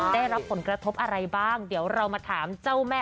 ได้รับผลกระทบอะไรบ้างเดี๋ยวเรามาถามเจ้าแม่